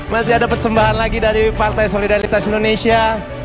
masih ada persembahan lagi dari partai solidaritas indonesia